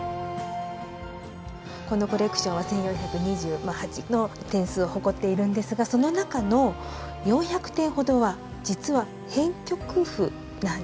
このコレクションは１，４２８の点数を誇っているんですがその中の４００点ほどは実は編曲譜なんです。